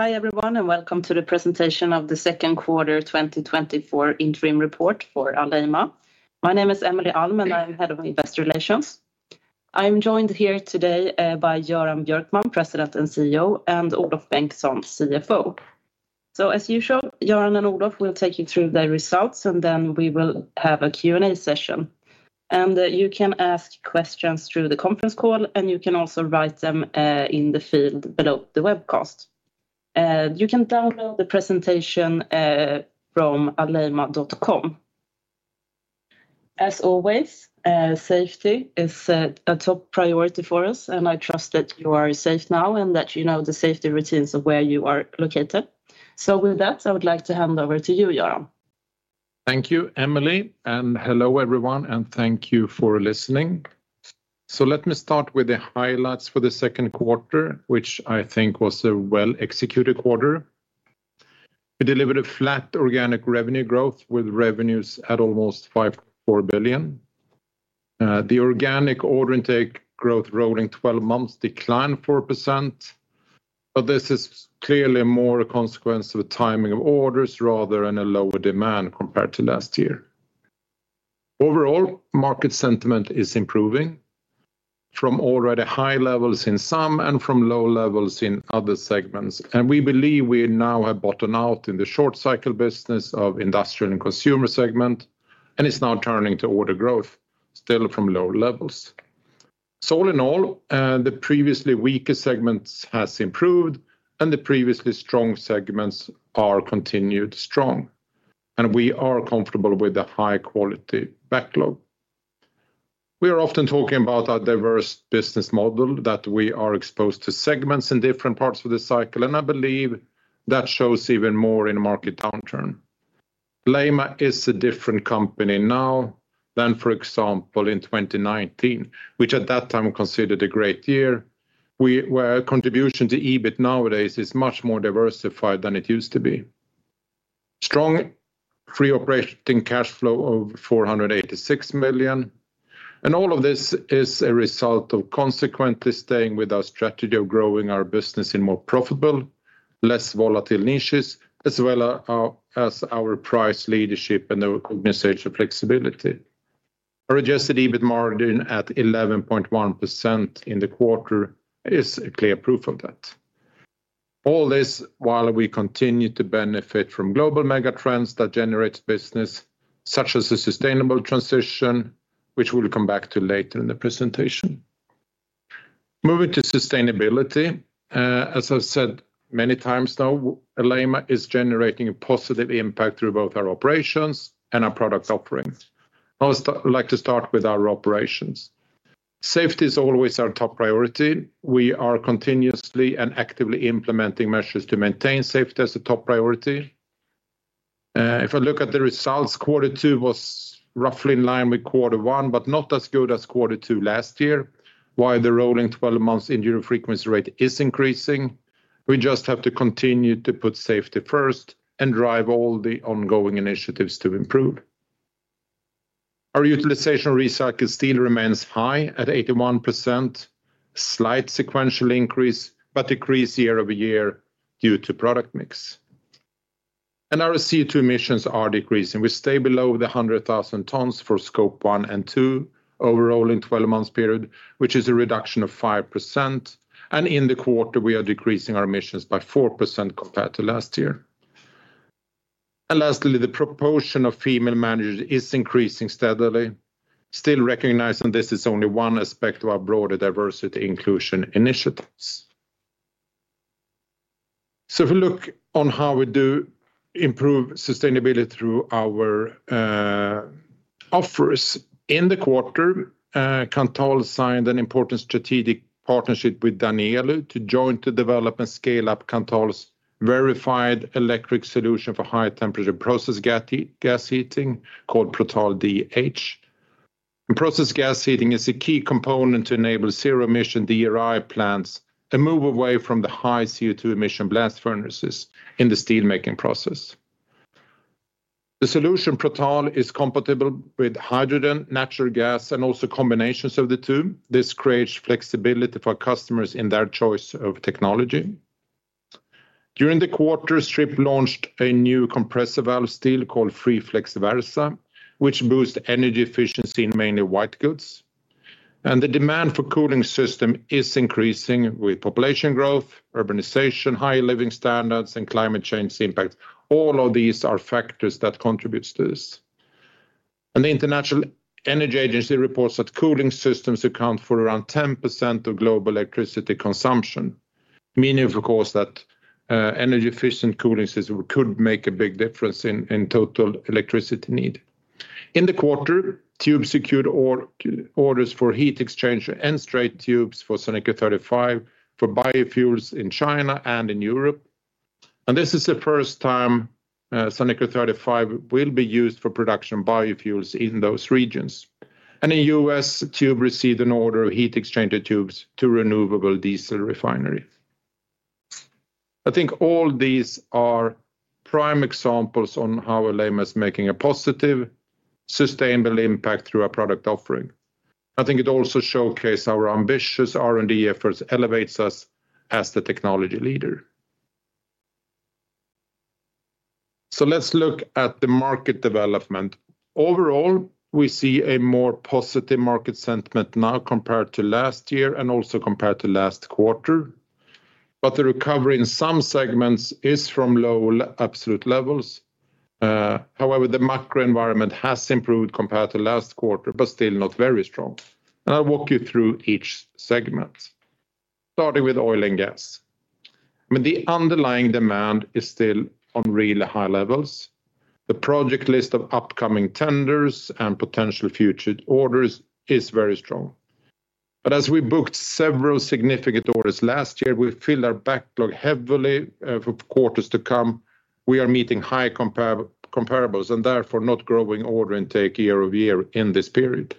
Hi everyone and welcome to the presentation of the second quarter 2024 interim report for Alleima. My name is Emelie Alm and I'm head of investor relations. I'm joined here today by Göran Björkman, President and CEO, and Olof Bengtsson, CFO. So, as usual, Göran and Olof will take you through the results and then we will have a Q&A session. And you can ask questions through the conference call and you can also write them in the field below the webcast. You can download the presentation from alleima.com. As always, safety is a top priority for us and I trust that you are safe now and that you know the safety routines of where you are located. So with that, I would like to hand over to you, Göran. Thank you, Emelie, and hello everyone and thank you for listening. So let me start with the highlights for the second quarter, which I think was a well-executed quarter. We delivered a flat organic revenue growth with revenues at almost 5.4 billion. The organic order intake growth rolling 12 months declined 4%, but this is clearly more a consequence of a timing of orders rather than a lower demand compared to last year. Overall, market sentiment is improving from already high levels in some and from low levels in other segments. And we believe we now have bottomed out in the short cycle business of industrial and consumer segment and it's now turning to order growth still from low levels. So all in all, the previously weaker segments have improved and the previously strong segments are continued strong. And we are comfortable with the high-quality backlog. We are often talking about our diverse business model that we are exposed to segments in different parts of the cycle and I believe that shows even more in a market downturn. Alleima is a different company now than, for example, in 2019, which at that time we considered a great year. Our contribution to EBIT nowadays is much more diversified than it used to be. Strong free operating cash flow of 486 million. All of this is a result of consequently staying with our strategy of growing our business in more profitable, less volatile niches, as well as our price leadership and the organizational flexibility. Our adjusted EBIT margin at 11.1% in the quarter is clear proof of that. All this while we continue to benefit from global megatrends that generate business, such as a sustainable transition, which we'll come back to later in the presentation. Moving to sustainability, as I've said many times now, Alleima is generating a positive impact through both our operations and our product offerings. I would like to start with our operations. Safety is always our top priority. We are continuously and actively implementing measures to maintain safety as a top priority. If I look at the results, quarter two was roughly in line with quarter one, but not as good as quarter two last year, while the rolling 12 months injury frequency rate is increasing. We just have to continue to put safety first and drive all the ongoing initiatives to improve. Our utilization of recycled steel remains high at 81%, slight sequential increase, but decrease year-over-year due to product mix. Our CO2 emissions are decreasing. We stay below the 100,000 tons for Scope 1 and 2 overall in 12 months period, which is a reduction of 5%. In the quarter, we are decreasing our emissions by 4% compared to last year. Lastly, the proportion of female managers is increasing steadily, still recognizing this is only one aspect of our broader diversity inclusion initiatives. If we look on how we do improve sustainability through our offers in the quarter, Kanthal signed an important strategic partnership with Danieli to jointly develop and scale up Kanthal's verified electric solution for high temperature process gas heating called Prothal DH. Process gas heating is a key component to enable zero emission DRI plants and move away from the high CO2 emission blast furnaces in the steelmaking process. The solution Prothal is compatible with hydrogen, natural gas, and also combinations of the two. This creates flexibility for customers in their choice of technology. During the quarter, Strip launched a new compressor valve steel called Freeflex Versa, which boosts energy efficiency in mainly white goods. The demand for cooling systems is increasing with population growth, urbanization, higher living standards, and climate change impacts. All of these are factors that contribute to this. The International Energy Agency reports that cooling systems account for around 10% of global electricity consumption, meaning of course that energy efficient cooling systems could make a big difference in total electricity need. In the quarter, Tube secured orders for heat exchanger and straight tubes for Sanicro 35 for biofuels in China and in Europe. This is the first time Sanicro 35 will be used for production of biofuels in those regions. In the U.S., Tube received an order of heat exchanger tubes to renewable diesel refineries. I think all these are prime examples on how Alleima is making a positive sustainable impact through our product offering. I think it also showcases our ambitious R&D efforts, elevates us as the technology leader. So let's look at the market development. Overall, we see a more positive market sentiment now compared to last year and also compared to last quarter. But the recovery in some segments is from low absolute levels. However, the macro environment has improved compared to last quarter, but still not very strong. I'll walk you through each segment, starting with oil and gas. I mean, the underlying demand is still on really high levels. The project list of upcoming tenders and potential future orders is very strong. But as we booked several significant orders last year, we filled our backlog heavily for quarters to come. We are meeting high comparables and therefore not growing order intake year-over-year in this period.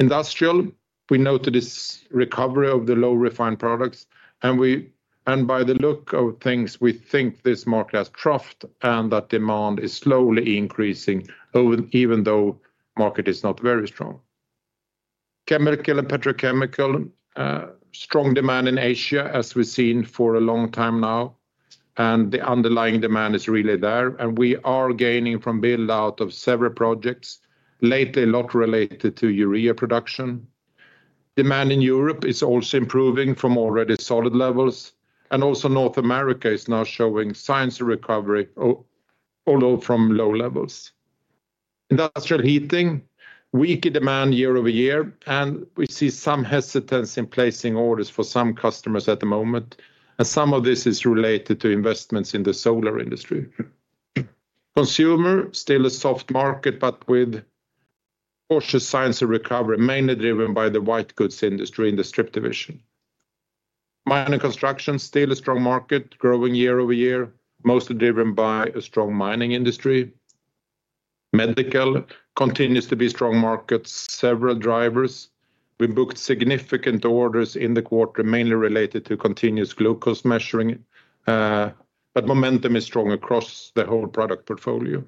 Industrial, we noted this recovery of the low refined products. And by the look of things, we think this market has troughed and that demand is slowly increasing even though the market is not very strong. Chemical and petrochemical, strong demand in Asia as we've seen for a long time now. And the underlying demand is really there. And we are gaining from build-out of several projects, lately a lot related to urea production. Demand in Europe is also improving from already solid levels. And also North America is now showing signs of recovery, although from low levels. Industrial heating, weak demand year-over-year. And we see some hesitance in placing orders for some customers at the moment. And some of this is related to investments in the solar industry. Consumer, still a soft market, but with cautious signs of recovery, mainly driven by the white goods industry in the Strip division. Mining construction, still a strong market, growing year-over-year, mostly driven by a strong mining industry. Medical continues to be strong markets, several drivers. We booked significant orders in the quarter, mainly related to continuous glucose measuring. But momentum is strong across the whole product portfolio.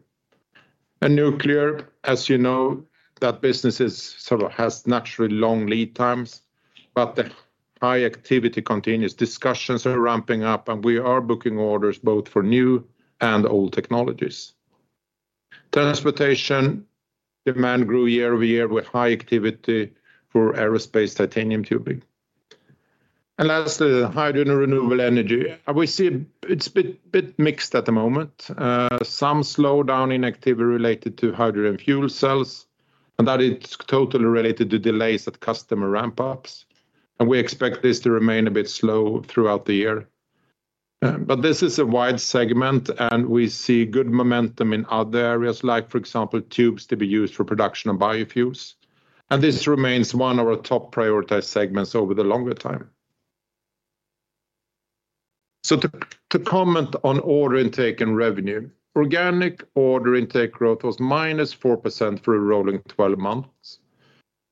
And nuclear, as you know, that business has naturally long lead times. But the high activity continues. Discussions are ramping up and we are booking orders both for new and old technologies. Transportation demand grew year-over-year with high activity for aerospace titanium tubing. And lastly, the hydrogen renewable energy. We see it's a bit mixed at the moment. Some slowdown in activity related to hydrogen fuel cells. And that is totally related to delays at customer ramp-ups. We expect this to remain a bit slow throughout the year. This is a wide segment and we see good momentum in other areas like, for example, tubes to be used for production of biofuels. This remains one of our top prioritized segments over the longer time. To comment on order intake and revenue, organic order intake growth was -4% for a rolling 12 months.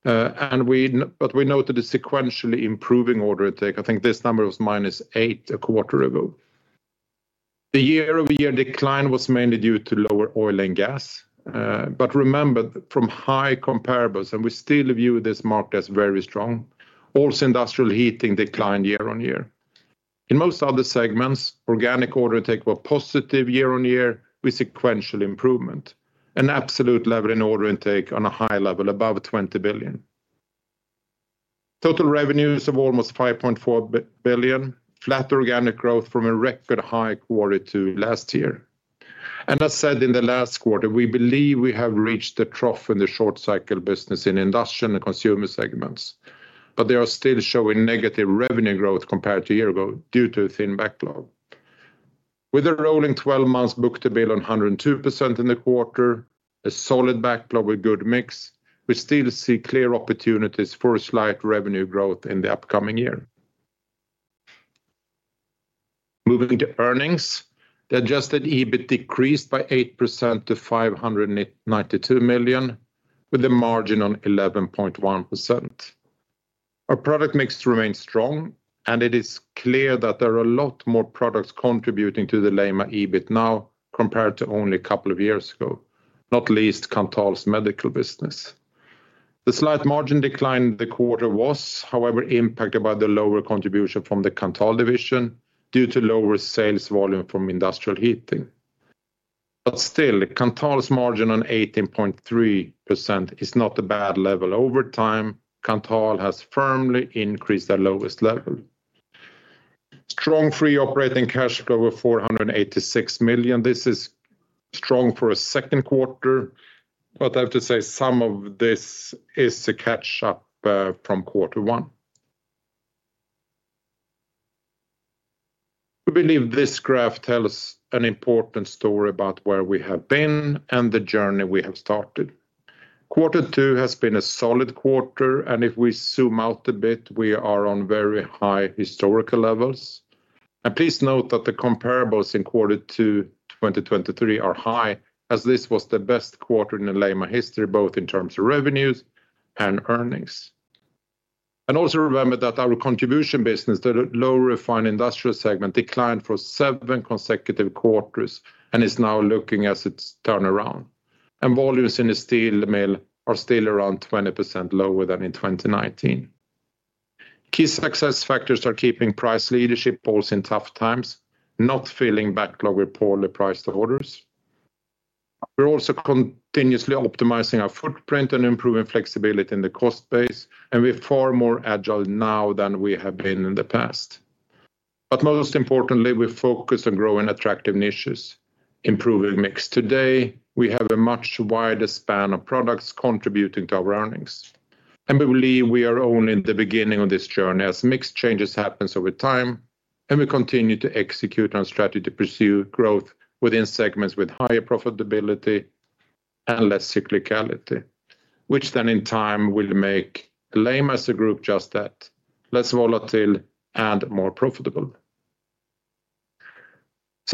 We noted a sequentially improving order intake. I think this number was -8% a quarter ago. The year-over-year decline was mainly due to lower oil and gas. Remember, from high comparables, and we still view this market as very strong. Also, industrial heating declined year-on-year. In most other segments, organic order intake was positive year-on-year with sequential improvement. An absolute level in order intake, on a high level, above 20 billion. Total revenues of almost 5.4 billion, flat organic growth from a record high quarter two last year. As said in the last quarter, we believe we have reached a trough in the short cycle business in industrial and consumer segments. They are still showing negative revenue growth compared to a year ago due to a thin backlog. With a rolling 12 months book-to-bill around 102% in the quarter, a solid backlog with good mix, we still see clear opportunities for slight revenue growth in the upcoming year. Moving to earnings, the adjusted EBIT decreased by 8% to 592 million, with a margin on 11.1%. Our product mix remains strong and it is clear that there are a lot more products contributing to the Alleima EBIT now compared to only a couple of years ago, not least Kanthal's medical business. The slight margin decline in the quarter was, however, impacted by the lower contribution from the Kanthal division due to lower sales volume from industrial heating. Still, Kanthal's margin on 18.3% is not a bad level over time. Kanthal has firmly increased their lowest level. Strong free operating cash flow of 486 million. This is strong for a second quarter. I have to say some of this is to catch up from quarter one. We believe this graph tells an important story about where we have been and the journey we have started. Quarter two has been a solid quarter. If we zoom out a bit, we are on very high historical levels. Please note that the comparables in quarter two 2023 are high, as this was the best quarter in Alleima history, both in terms of revenues and earnings. And also remember that our contribution business, the low refined industrial segment, declined for seven consecutive quarters and is now looking as it's turned around. And volumes in the steel mill are still around 20% lower than in 2019. Key success factors are keeping price leadership, both in tough times, not filling backlog with poorly priced orders. We're also continuously optimizing our footprint and improving flexibility in the cost base. And we're far more agile now than we have been in the past. But most importantly, we focus on growing attractive niches. Improving mix today, we have a much wider span of products contributing to our earnings. And we believe we are only in the beginning of this journey as mix changes happen over time. We continue to execute on strategy to pursue growth within segments with higher profitability and less cyclicality, which then in time will make Alleima as a group just that, less volatile and more profitable.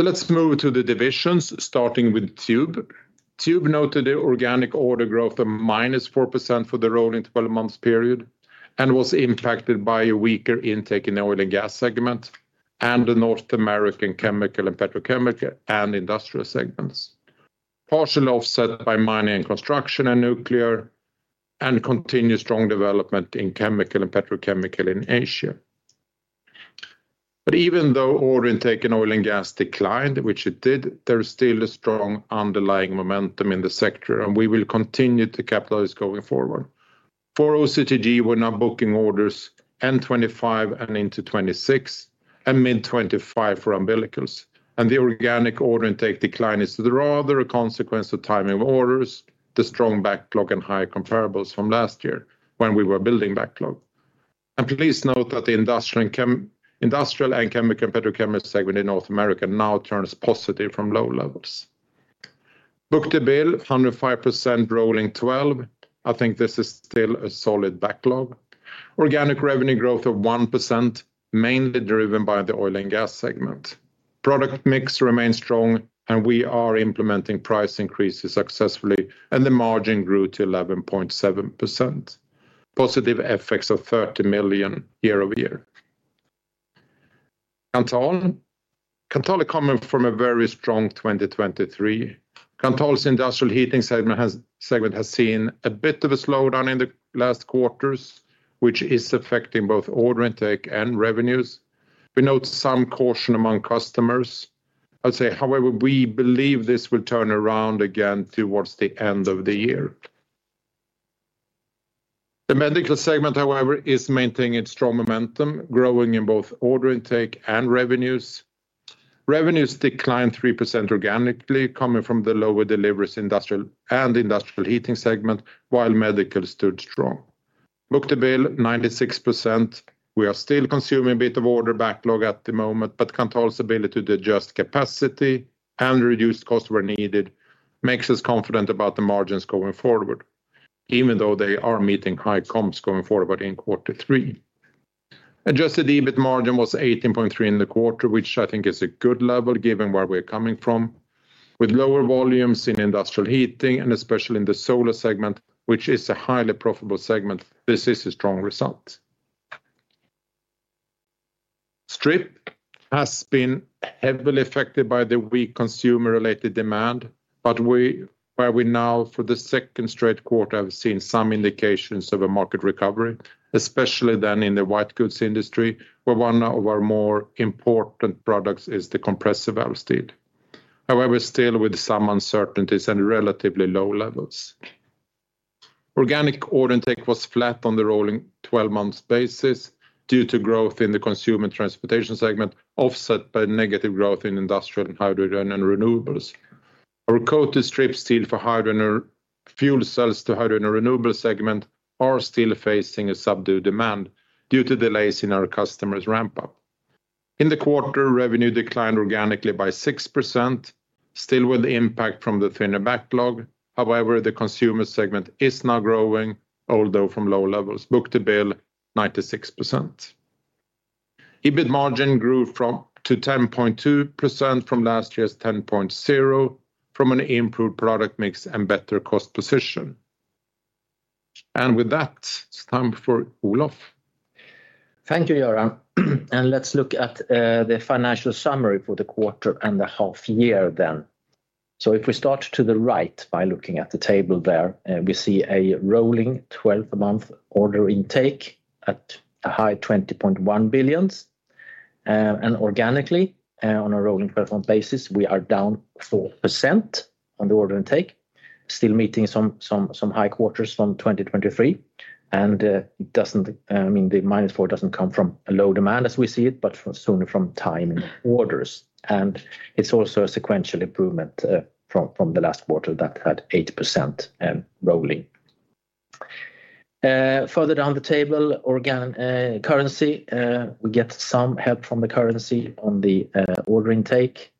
Let's move to the divisions, starting with Tube. Tube noted the organic order growth of -4% for the rolling 12 months period and was impacted by a weaker intake in the oil and gas segment and the North American chemical and petrochemical and industrial segments. Partial offset by mining and construction and nuclear and continued strong development in chemical and petrochemical in Asia. But even though order intake in oil and gas declined, which it did, there is still a strong underlying momentum in the sector and we will continue to capitalize going forward. For OCTG, we're now booking orders in 2025 and into 2026 and mid-2025 for umbilicals. And the organic order intake decline is rather a consequence of timing of orders, the strong backlog and high comparables from last year when we were building backlog. And please note that the industrial and chemical petrochemical segment in North America now turns positive from low levels. Book-to-bill 105% rolling 12. I think this is still a solid backlog. Organic revenue growth of 1%, mainly driven by the oil and gas segment. Product mix remains strong and we are implementing price increases successfully and the margin grew to 11.7%. Positive effects of 30 million year-over-year. Kanthal is coming from a very strong 2023. Kanthal's industrial heating segment has seen a bit of a slowdown in the last quarters, which is affecting both order intake and revenues. We note some caution among customers. I'd say, however, we believe this will turn around again towards the end of the year. The medical segment, however, is maintaining its strong momentum, growing in both order intake and revenues. Revenues declined 3% organically, coming from the lower deliveries and industrial heating segment, while medical stood strong. Book-to-bill 96%. We are still consuming a bit of order backlog at the moment, but Kanthal's ability to adjust capacity and reduce costs where needed makes us confident about the margins going forward, even though they are meeting high comps going forward in quarter three. Adjusted EBIT margin was 18.3% in the quarter, which I think is a good level given where we're coming from. With lower volumes in industrial heating and especially in the solar segment, which is a highly profitable segment, this is a strong result. Strip has been heavily affected by the weak consumer-related demand, but where we now for the second straight quarter have seen some indications of a market recovery, especially then in the white goods industry, where one of our more important products is the compressor steel. However, still with some uncertainties and relatively low levels. Organic order intake was flat on the rolling 12 months basis due to growth in the consumer transportation segment, offset by negative growth in industrial and hydrogen and renewables. Our coated strip steel for hydrogen fuel cells to hydrogen renewable segment are still facing a subdued demand due to delays in our customers' ramp-up. In the quarter, revenue declined organically by 6%, still with impact from the thinner backlog. However, the consumer segment is now growing, although from low levels. Book-to-bill 96%. EBIT margin grew to 10.2% from last year's 10.0% from an improved product mix and better cost position. With that, it's time for Olof. Thank you, Göran. Let's look at the financial summary for the quarter and half year then. If we start to the right by looking at the table there, we see a rolling 12-month order intake at a high 20.1 billion. Organically, on a rolling 12-month basis, we are down 4% on the order intake, still meeting some high quarters from 2023. It doesn't mean the -4% doesn't come from low demand as we see it, but sooner from timing orders. It's also a sequential improvement from the last quarter that had 8% rolling. Further down the table, organically, currency, we get some help from the currency on the order intake.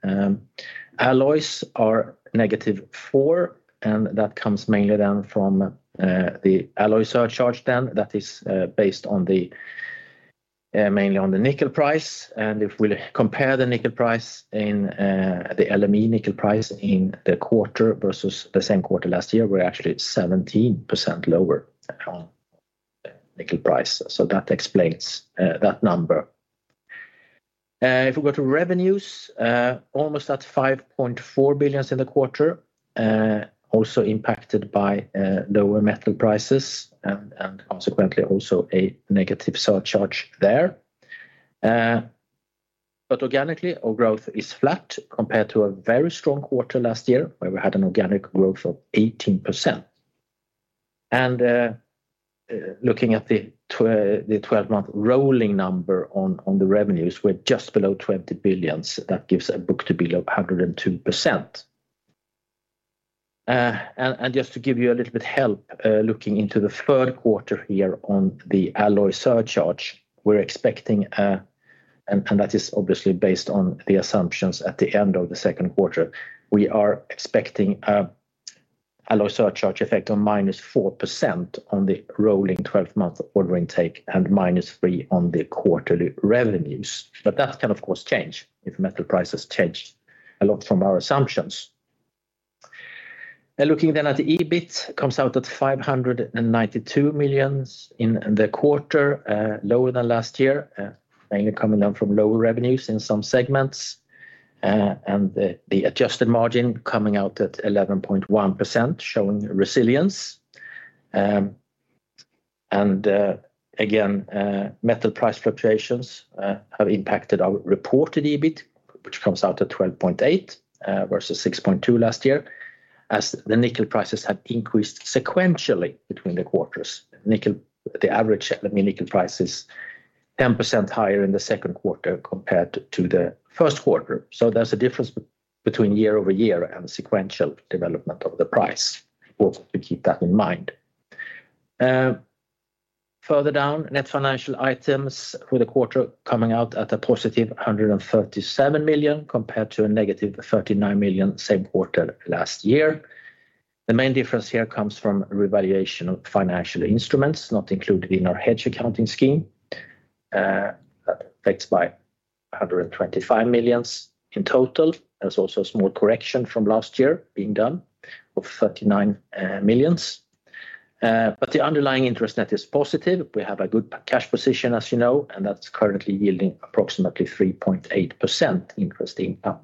Alloys are -4%, and that comes mainly then from the alloy surcharge then that is based on the mainly on the nickel price. And if we compare the nickel price in the LME nickel price in the quarter versus the same quarter last year, we're actually 17% lower on the nickel price. So that explains that number. If we go to revenues, almost at 5.4 billion in the quarter, also impacted by lower metal prices and consequently also a negative surcharge there. But organically, our growth is flat compared to a very strong quarter last year where we had an organic growth of 18%. And looking at the 12-month rolling number on the revenues, we're just below 20 billion. That gives a book-to-bill of 102%. Just to give you a little bit of help, looking into the third quarter here on the alloy surcharge, we're expecting, and that is obviously based on the assumptions at the end of the second quarter, we are expecting alloy surcharge effect on -4% on the rolling 12-month order intake and -3% on the quarterly revenues. But that can, of course, change if metal prices change a lot from our assumptions. Looking then at the EBIT, it comes out at 592 million in the quarter, lower than last year, mainly coming down from lower revenues in some segments. And the adjusted margin coming out at 11.1% showing resilience. And again, metal price fluctuations have impacted our reported EBIT, which comes out at 12.8% versus 6.2% last year as the nickel prices have increased sequentially between the quarters. The average nickel price is 10% higher in the second quarter compared to the first quarter. So there's a difference between year-over-year and sequential development of the price. We'll keep that in mind. Further down, net financial items for the quarter coming out at a positive 137 million compared to a negative 39 million same quarter last year. The main difference here comes from revaluation of financial instruments not included in our hedge accounting scheme. That affects by 125 million in total. There's also a small correction from last year being done of 39 million. But the underlying interest net is positive. We have a good cash position, as you know, and that's currently yielding approximately 3.8% interest income.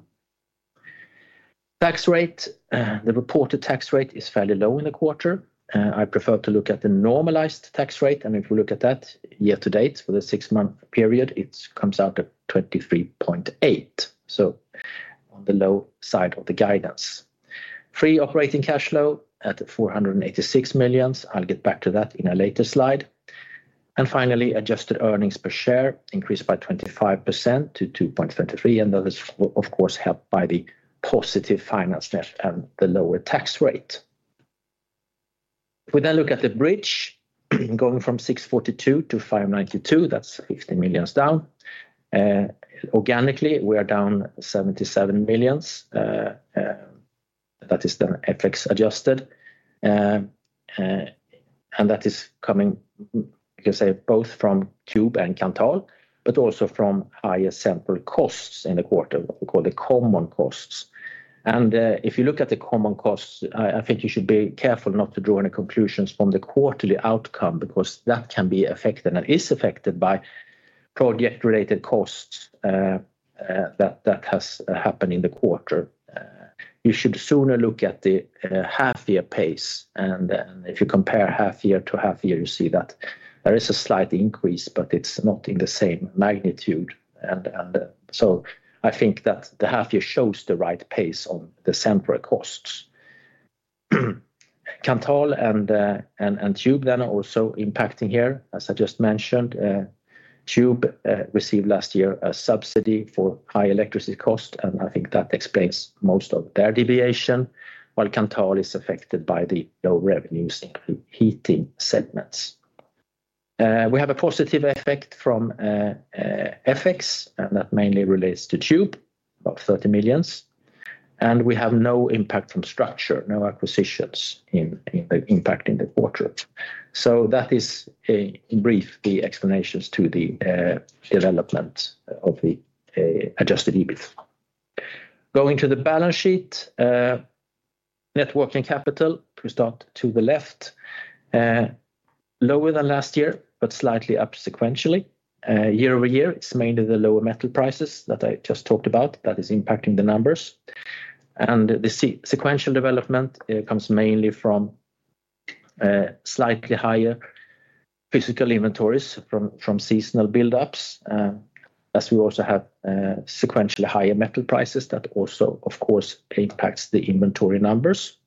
Tax rate, the reported tax rate is fairly low in the quarter. I prefer to look at the normalized tax rate. And if we look at that year-to-date for the six-month period, it comes out at 23.8. So on the low side of the guidance. Free operating cash flow at 486 million. I'll get back to that in a later slide. And finally, adjusted earnings per share increased by 25% to 2.23. And that is, of course, helped by the positive finance net and the lower tax rate. If we then look at the bridge going from 642 million to 592 million, that's 50 million down. Organically, we are down 77 million. That is then FX adjusted. And that is coming, you can say, both from Tube and Kanthal, but also from higher central costs in the quarter, what we call the common costs. If you look at the common costs, I think you should be careful not to draw any conclusions from the quarterly outcome because that can be affected and is affected by project-related costs that has happened in the quarter. You should sooner look at the half-year pace. If you compare half-year to half-year, you see that there is a slight increase, but it's not in the same magnitude. So I think that the half-year shows the right pace on the central costs. Kanthal and Tube then are also impacting here, as I just mentioned. Tube received last year a subsidy for high electricity costs, and I think that explains most of their deviation, while Kanthal is affected by the low revenues in the heating segments. We have a positive effect from FX, and that mainly relates to Tube, about 30 million. And we have no impact from structure, no acquisitions in the impact in the quarter. So that is, in brief, the explanations to the development of the adjusted EBITs. Going to the balance sheet, net working capital, we start to the left. Lower than last year, but slightly up sequentially. Year-over-year, it's mainly the lower metal prices that I just talked about that is impacting the numbers. And the sequential development comes mainly from slightly higher physical inventories from seasonal build-ups, as we also have sequentially higher metal prices that also, of course, impacts the inventory numbers.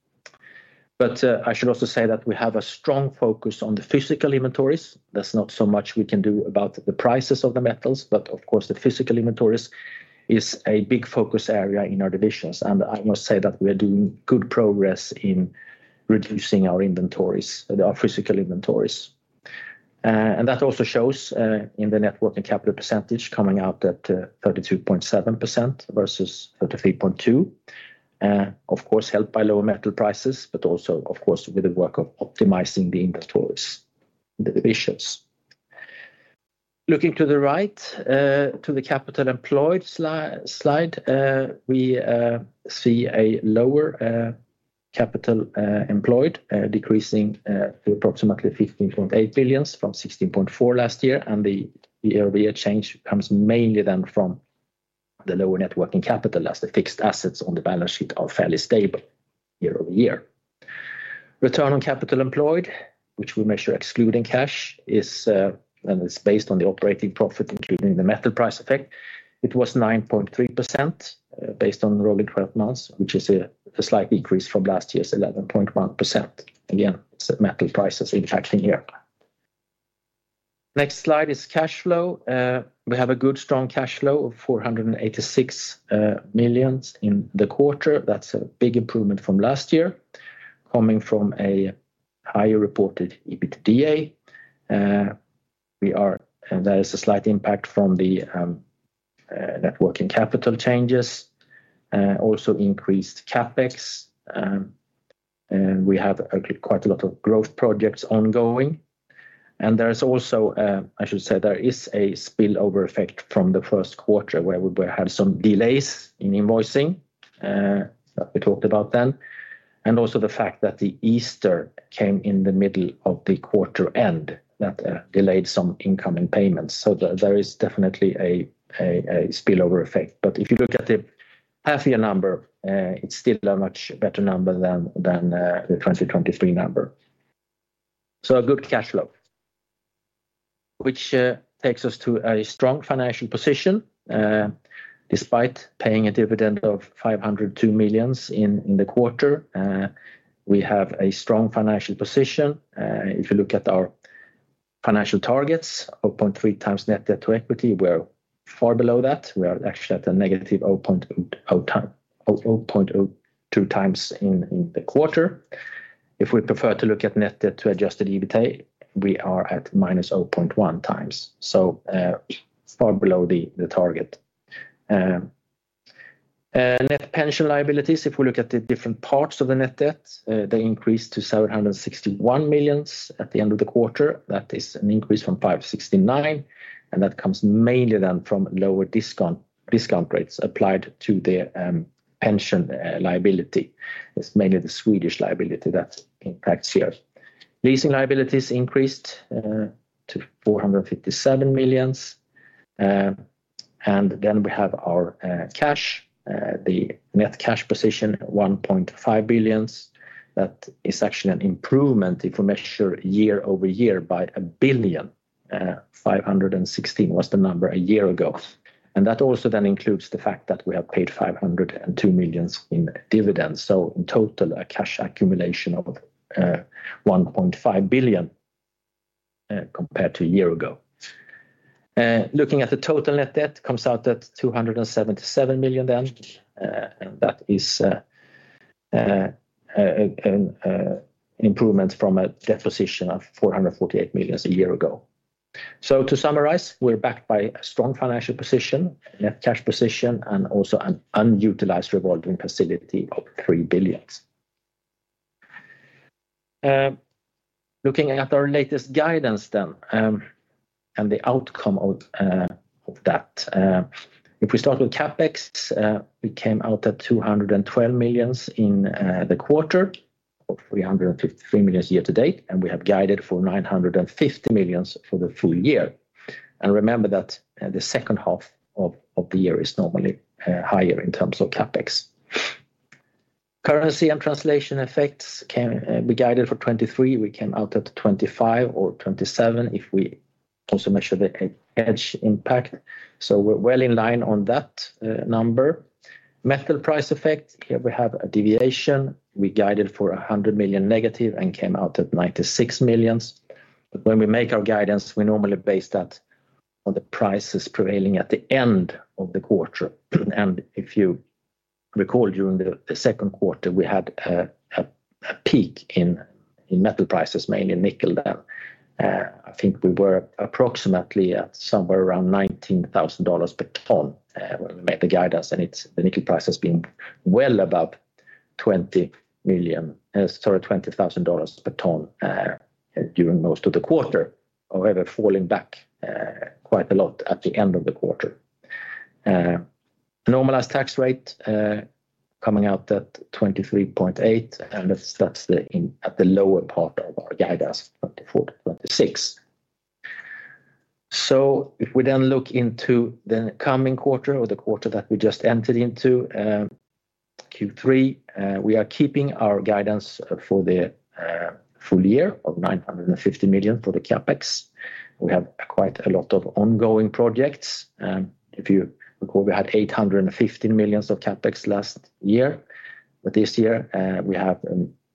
But I should also say that we have a strong focus on the physical inventories. There's not so much we can do about the prices of the metals, but of course, the physical inventories is a big focus area in our divisions. I must say that we are doing good progress in reducing our inventories, our physical inventories. That also shows in the net working capital percentage coming out at 32.7% versus 33.2%, of course, helped by lower metal prices, but also, of course, with the work of optimizing the inventories in the divisions. Looking to the right, to the capital employed slide, we see a lower capital employed decreasing to approximately 15.8 billion from 16.4 billion last year. The year-over-year change comes mainly then from the lower net working capital as the fixed assets on the balance sheet are fairly stable year-over-year. Return on capital employed, which we measure excluding cash, and it's based on the operating profit, including the metal price effect. It was 9.3% based on rolling 12 months, which is a slight increase from last year's 11.1%. Again, metal prices impacting here. Next slide is cash flow. We have a good strong cash flow of 486 million in the quarter. That's a big improvement from last year, coming from a higher reported EBITDA. There is a slight impact from the net working capital changes. Also increased CapEx. We have quite a lot of growth projects ongoing. And there is also, I should say, there is a spillover effect from the first quarter where we had some delays in invoicing that we talked about then. And also the fact that the Easter came in the middle of the quarter end that delayed some incoming payments. So there is definitely a spillover effect. But if you look at the half-year number, it's still a much better number than the 2023 number. So a good cash flow, which takes us to a strong financial position. Despite paying a dividend of 502 million in the quarter, we have a strong financial position. If you look at our financial targets, 0.3x net debt to equity, we're far below that. We are actually at a negative 0.02 times in the quarter. If we prefer to look at net debt to adjusted EBITDA, we are at minus 0.1 times, so far below the target. Net pension liabilities, if we look at the different parts of the net debt, they increased to 761 million at the end of the quarter. That is an increase from 569 million. And that comes mainly then from lower discount rates applied to the pension liability. It's mainly the Swedish liability that impacts here. Leasing liabilities increased to 457 million. And then we have our cash, the net cash position, 1.5 billion. That is actually an improvement if we measure year-over-year by 1 billion. 516 was the number a year ago. And that also then includes the fact that we have paid 502 million in dividends. So in total, a cash accumulation of 1.5 billion compared to a year ago. Looking at the total net debt, it comes out at 277 million then. And that is an improvement from a deposition of 448 million a year ago. So to summarize, we're backed by a strong financial position, net cash position, and also an unutilized revolving facility of 3 billion. Looking at our latest guidance then and the outcome of that, if we start with CapEx, we came out at 212 million in the quarter or 353 million year-to-date. And we have guided for 950 million for the full year. Remember that the second half of the year is normally higher in terms of CapEx. For currency and translation effects, we guided for 23 million. We came out at 25 million or 27 million if we also measure the hedge impact. So we're well in line on that number. For metal price effect, here we have a deviation. We guided for -100 million and came out at 96 million. But when we make our guidance, we normally base that on the prices prevailing at the end of the quarter. If you recall, during the second quarter, we had a peak in metal prices, mainly nickel then. I think we were approximately at somewhere around $19,000 per ton when we made the guidance. The nickel price has been well above $20,000 per ton during most of the quarter, however, falling back quite a lot at the end of the quarter. Normalized tax rate coming out at 23.8%. That's at the lower part of our guidance for 24%-26%. If we then look into the coming quarter or the quarter that we just entered into Q3, we are keeping our guidance for the full year of 950 million for the CapEx. We have quite a lot of ongoing projects. If you recall, we had 815 million of CapEx last year. But this year, we have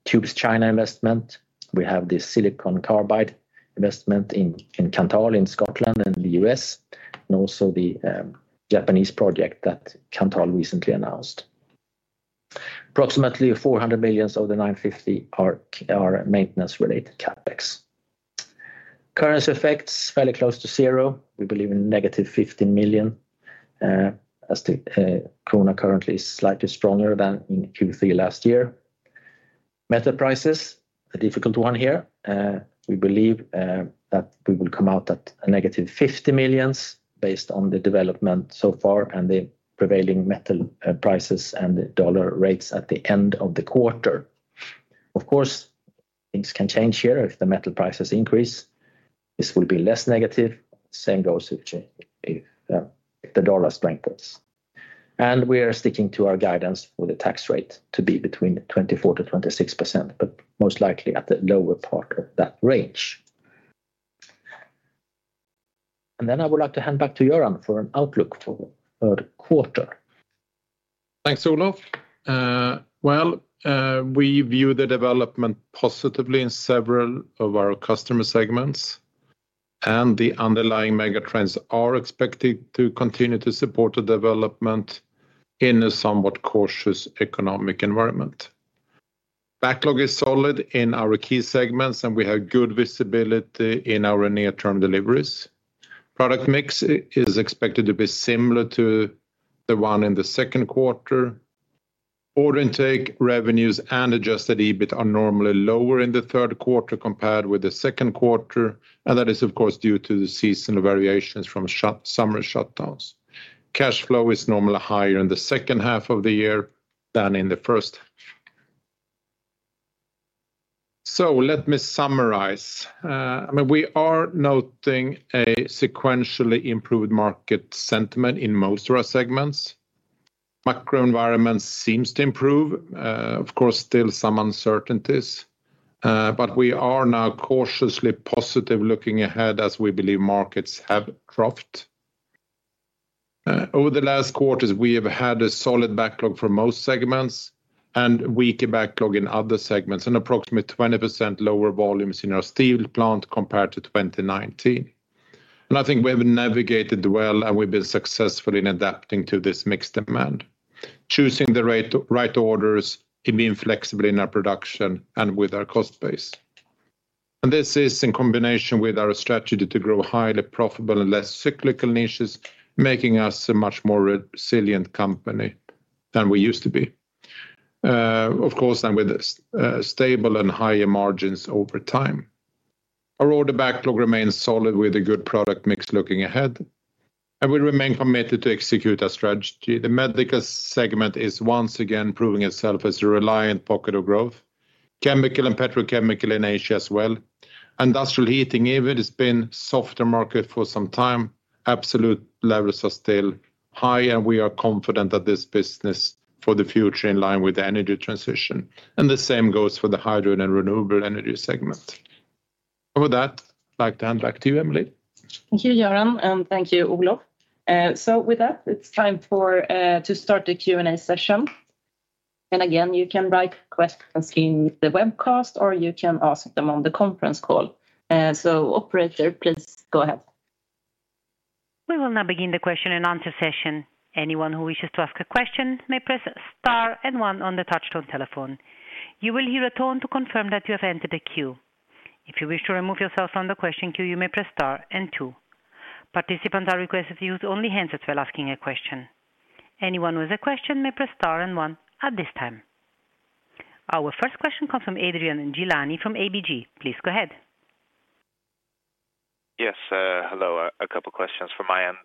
Tube's China investment. We have the silicon carbide investment in Kanthal in Scotland and the US, and also the Japanese project that Kanthal recently announced. Approximately 400 million of the 950 are maintenance-related CapEx. Currency effects, fairly close to zero. We believe in -15 million as the krona currently is slightly stronger than in Q3 last year. Metal prices, the difficult one here. We believe that we will come out at negative 50 million based on the development so far and the prevailing metal prices and the dollar rates at the end of the quarter. Of course, things can change here if the metal prices increase. This will be less negative. Same goes if the dollar strengthens. We are sticking to our guidance for the tax rate to be between 24%-26%, but most likely at the lower part of that range. Then I would like to hand back to Göran for an outlook for the quarter. Thanks, Olof. Well, we view the development positively in several of our customer segments. The underlying megatrends are expected to continue to support the development in a somewhat cautious economic environment. Backlog is solid in our key segments, and we have good visibility in our near-term deliveries. Product mix is expected to be similar to the one in the second quarter. Order intake, revenues, and adjusted EBIT are normally lower in the third quarter compared with the second quarter. That is, of course, due to the seasonal variations from summer shutdowns. Cash flow is normally higher in the second half of the year than in the first half. Let me summarize. I mean, we are noting a sequentially improved market sentiment in most of our segments. Macro environment seems to improve. Of course, still some uncertainties. We are now cautiously positive looking ahead as we believe markets have dropped. Over the last quarters, we have had a solid backlog for most segments and weaker backlog in other segments, and approximately 20% lower volumes in our steel plant compared to 2019. I think we have navigated well, and we've been successful in adapting to this mixed demand, choosing the right orders, being flexible in our production, and with our cost base. And this is in combination with our strategy to grow highly profitable and less cyclical niches, making us a much more resilient company than we used to be. Of course, and with stable and higher margins over time. Our order backlog remains solid with a good product mix looking ahead. And we remain committed to execute our strategy. The medical segment is once again proving itself as a reliable pocket of growth. Chemical and petrochemical in Asia as well. Industrial heating, even it's been a softer market for some time. Absolute levels are still high, and we are confident that this business for the future in line with the energy transition. The same goes for the hydrogen and renewable energy segment. With that, I'd like to hand back to you, Emelie. Thank you, Göran, and thank you, Olof. With that, it's time to start the Q&A session. Again, you can write questions in the webcast, or you can ask them on the conference call. Operator, please go ahead. We will now begin the question and answer session. Anyone who wishes to ask a question may press star and one on the touch-tone telephone. You will hear a tone to confirm that you have entered a queue. If you wish to remove yourself from the question queue, you may press star and two. Participants are requested to use only handsets while asking a question. Anyone with a question may press star and one at this time. Our first question comes from Adrian Gilani from ABG. Please go ahead. Yes, hello. A couple of questions from my end.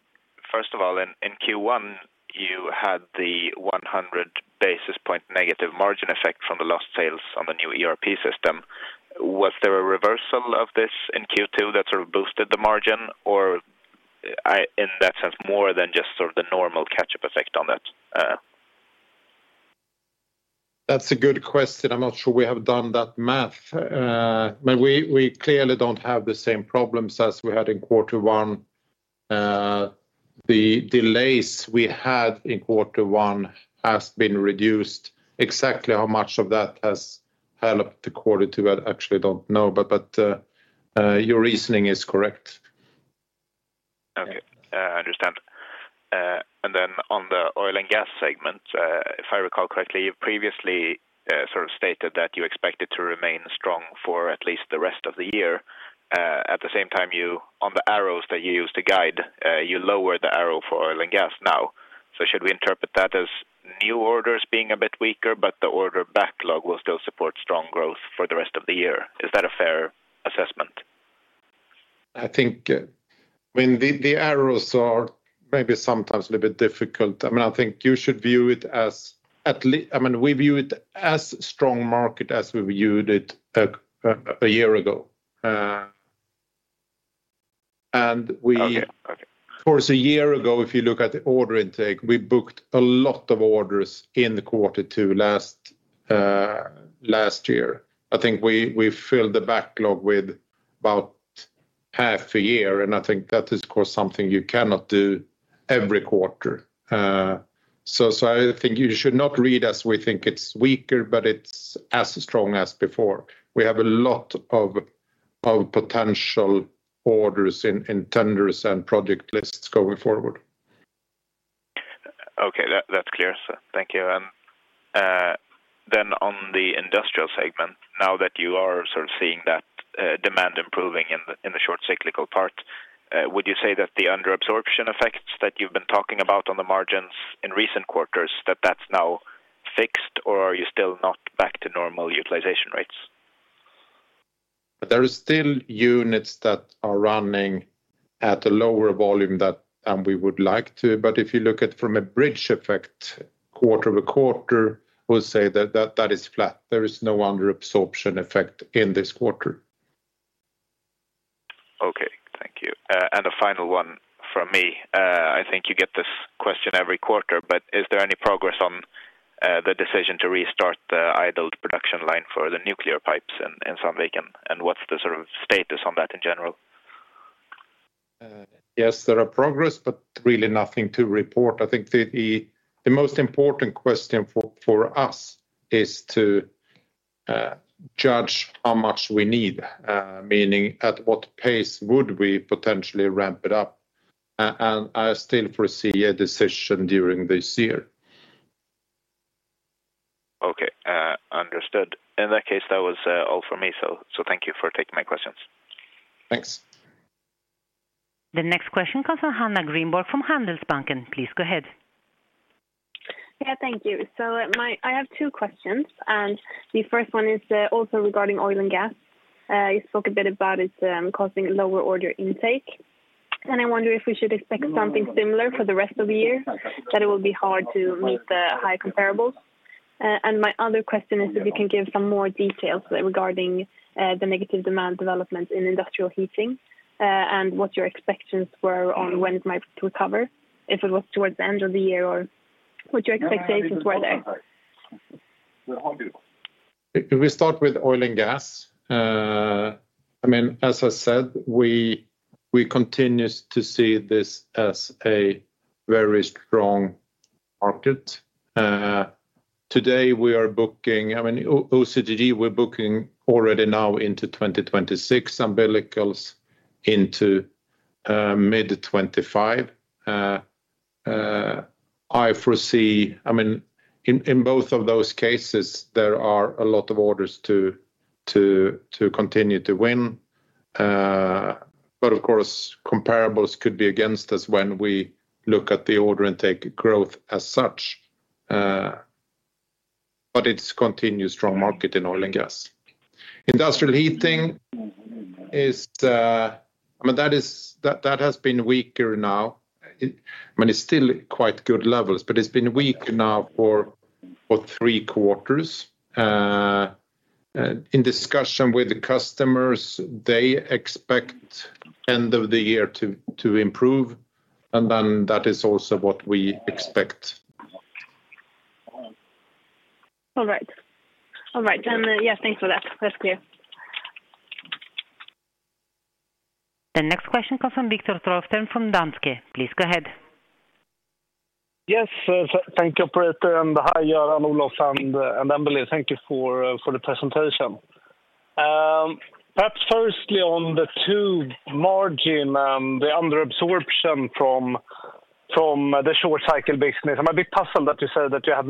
First of all, in Q1, you had the 100 basis point negative margin effect from the lost sales on the new ERP system. Was there a reversal of this in Q2 that sort of boosted the margin, or in that sense, more than just sort of the normal catch-up effect on that? That's a good question. I'm not sure we have done that math. We clearly don't have the same problems as we had in quarter one. The delays we had in quarter one have been reduced. Exactly how much of that has helped the quarter two, I actually don't know. But your reasoning is correct. Okay, I understand. And then on the oil and gas segment, if I recall correctly, you previously sort of stated that you expected to remain strong for at least the rest of the year. At the same time, on the arrows that you use to guide, you lowered the arrow for oil and gas now. So should we interpret that as new orders being a bit weaker, but the order backlog will still support strong growth for the rest of the year? Is that a fair assessment? I think the arrows are maybe sometimes a little bit difficult. I mean, I think you should view it as, I mean, we view it as strong market as we viewed it a year ago. And of course, a year ago, if you look at the order intake, we booked a lot of orders in quarter two last year. I think we filled the backlog with about half a year. And I think that is, of course, something you cannot do every quarter. So I think you should not read as we think it's weaker, but it's as strong as before. We have a lot of potential orders in tenders and project lists going forward. Okay, that's clear. Thank you. And then on the industrial segment, now that you are sort of seeing that demand improving in the short cyclical part, would you say that the under absorption effects that you've been talking about on the margins in recent quarters, that that's now fixed, or are you still not back to normal utilization rates? There are still units that are running at a lower volume than we would like to. But if you look at from a bridge effect, quarter to quarter, we'll say that that is flat. There is no under absorption effect in this quarter. Okay, thank you. And a final one from me. I think you get this question every quarter, but is there any progress on the decision to restart the idled production line for the nuclear pipes in Sandviken? And what's the sort of status on that in general? Yes, there are progress, but really nothing to report. I think the most important question for us is to judge how much we need, meaning at what pace would we potentially ramp it up. And I still foresee a decision during this year. Okay, understood. In that case, that was all for me. So thank you for taking my questions. Thanks. The next question comes from Anna Grevelius from Handelsbanken. Please go ahead. Yeah, thank you. So I have two questions. And the first one is also regarding oil and gas. You spoke a bit about it causing lower order intake. I wonder if we should expect something similar for the rest of the year, that it will be hard to meet the high comparables. And my other question is if you can give some more details regarding the negative demand development in industrial heating and what your expectations were on when it might recover, if it was towards the end of the year or what your expectations were there. If we start with oil and gas, I mean, as I said, we continue to see this as a very strong market. Today, we are booking, I mean, OCTG, we're booking already now into 2026, umbilicals into mid-2025. I foresee, I mean, in both of those cases, there are a lot of orders to continue to win. But of course, comparables could be against us when we look at the order intake growth as such. But it's continued strong market in oil and gas. Industrial heating is, I mean, that has been weaker now. I mean, it's still quite good levels, but it's been weaker now for three quarters. In discussion with the customers, they expect end of the year to improve. And then that is also what we expect. All right. All right. And yes, thanks for that. That's clear. The next question comes from Viktor Trollsten from Danske. Please go ahead. Yes, thank you, operator. And hi, Göran, Olof and Emelie. Thank you for the presentation. Perhaps firstly on the two margin and the under absorption from the short cycle business. I'm a bit puzzled that you said that you had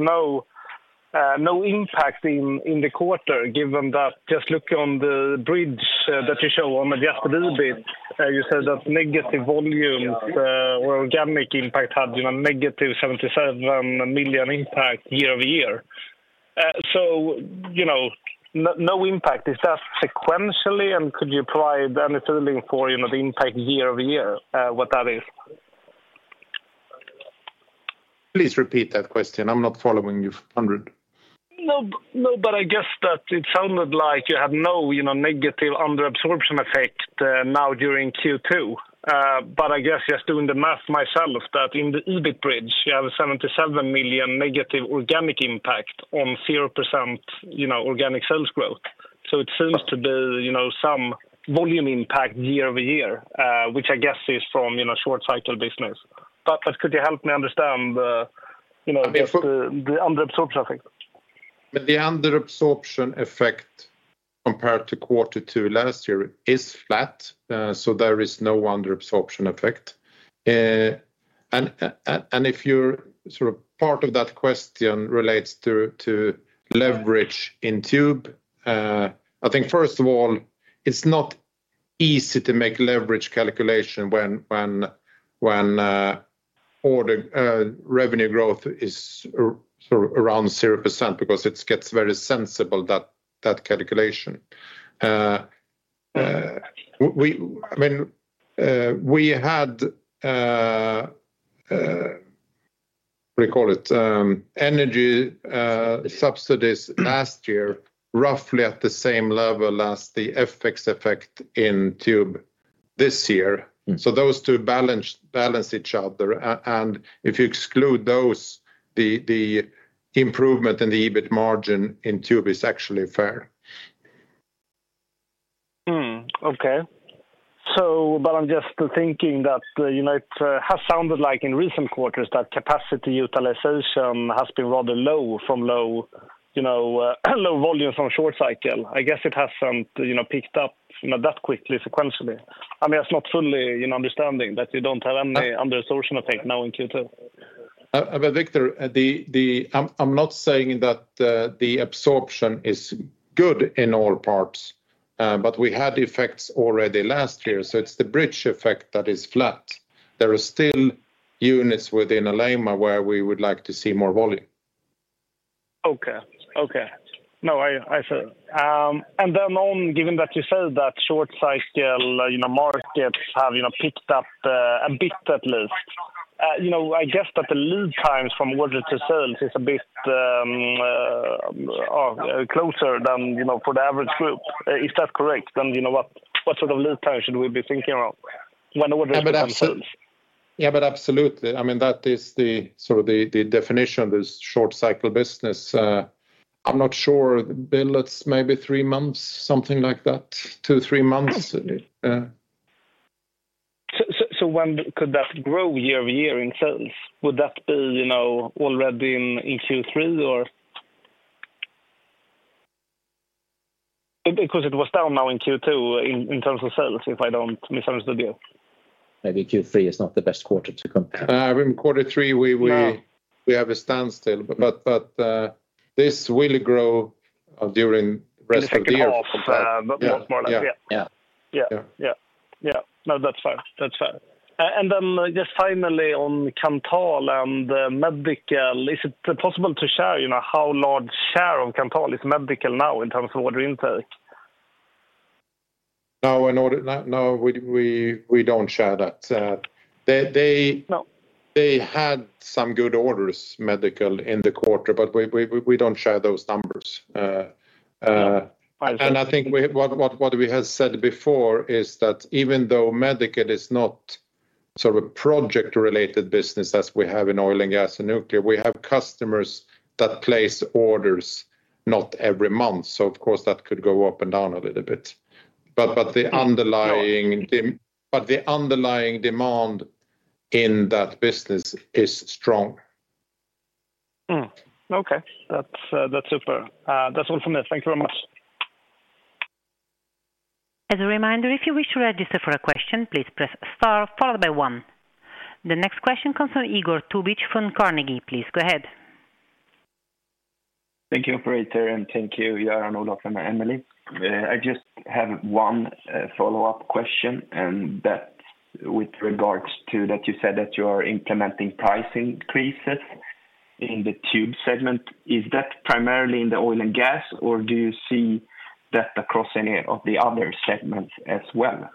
no impact in the quarter, given that just looking on the bridge that you show on the GAAP to EBIT, you said that negative volumes or organic impact had a -77 million impact year-over-year. So no impact, is that sequentially? And could you provide any feeling for the impact year-over-year, what that is? Please repeat that question. I'm not following you 100%. No, but I guess that it sounded like you had no negative under absorption effect now during Q2. But I guess just doing the math myself, that in the EBIT bridge, you have a 77 million negative organic impact on 0% organic sales growth. So it seems to be some volume impact year-over-year, which I guess is from short cycle business. But could you help me understand the underabsorption effect? The under absorption effect compared to quarter two last year is flat. So there is no under absorption effect. And if you're sort of part of that question relates to leverage in tube, I think first of all, it's not easy to make leverage calculation when revenue growth is around 0% because it gets very sensitive that calculation. I mean, we had, what do you call it, energy subsidies last year, roughly at the same level as the FX effect in tube this year. So those two balance each other. And if you exclude those, the improvement in the EBIT margin in tube is actually fair. Okay. So but I'm just thinking that it has sounded like in recent quarters that capacity utilization has been rather low from low volumes on short cycle. I guess it hasn't picked up that quickly sequentially. I mean, that's not fully understanding that you don't have any under absorption effect now in Q2. But Viktor, I'm not saying that the absorption is good in all parts. But we had effects already last year. So it's the bridge effect that is flat. There are still units within Alleima where we would like to see more volume. Okay. Okay. No, I see. And then given that you said that short cycle markets have picked up a bit at least, I guess that the lead times from order to sales is a bit closer than for the average group. Is that correct? And what sort of lead times should we be thinking about when orders to sales? Yeah, but absolutely. I mean, that is the sort of the definition of the short cycle business. I'm not sure. Let's maybe three months, something like that, 2-3 months. So when could that grow year-over-year in sales? Would that be already in Q3 or? Because it was down now in Q2 in terms of sales, if I don't misunderstand you. Maybe Q3 is not the best quarter to come. I mean, quarter three, we have a standstill. But this will grow during the rest of the year. Most more likely. Yeah. Yeah. Yeah. No, that's fine. That's fine. And then just finally on Kanthal and Medical, is it possible to share how large share of Kanthal is Medical now in terms of order intake? No, we don't share that. They had some good orders, Medical, in the quarter, but we don't share those numbers. I think what we had said before is that even though Medical is not sort of a project-related business as we have in oil and gas and nuclear, we have customers that place orders not every month. So of course, that could go up and down a little bit. But the underlying demand in that business is strong. Okay. That's super. That's all from me. Thank you very much. As a reminder, if you wish to register for a question, please press star followed by one. The next question comes from Igor Tubic from Carnegie. Please go ahead. Thank you, operator. And thank you, Göran, Olof and Emelie. I just have one follow-up question, and that's with regards to that you said that you are implementing price increases in the tube segment. Is that primarily in the oil and gas, or do you see that across any of the other segments as well?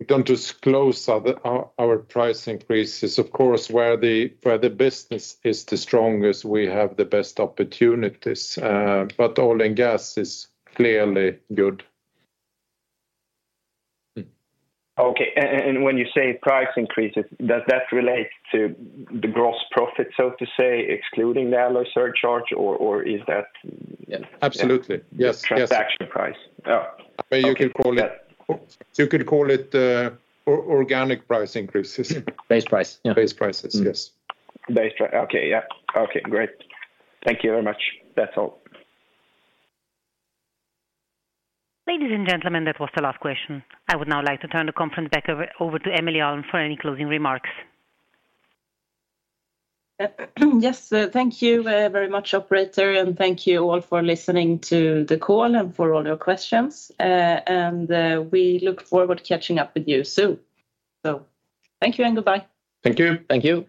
We don't disclose our price increases. Of course, where the business is the strongest, we have the best opportunities. But oil and gas is clearly good. Okay. And when you say price increases, does that relate to the gross profit, so to say, excluding the alloy surcharge, or is that? Absolutely. Yes. Transaction price. Yeah. You could call it organic price increases. Base price. Yeah. Base prices. Yes. Base price. Okay. Yeah. Okay. Great. Thank you very much. That's all. Ladies and gentlemen, that was the last question. I would now like to turn the conference back over to Emelie Alm for any closing remarks. Yes. Thank you very much, operator. And thank you all for listening to the call and for all your questions. We look forward to catching up with you soon. Thank you and goodbye. Thank you. Thank you.